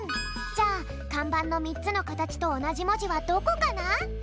じゃあかんばんの３つのかたちとおなじもじはどこかな？